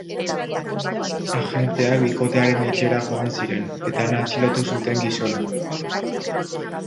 Agenteak bikotearen etxera joan ziren, eta han atxilotu zuten gizona.